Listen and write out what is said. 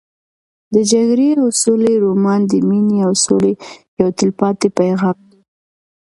د جګړې او سولې رومان د مینې او سولې یو تلپاتې پیغام دی.